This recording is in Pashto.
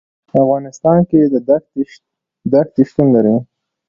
په افغانستان کې دښتې شتون لري.